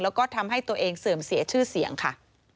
แล้วก็ทำให้ตัวเองเสื่อมเสียชื่อเสียงค่ะ